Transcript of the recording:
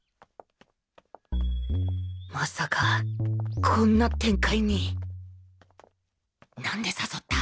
まさかこんな展開になんで誘った？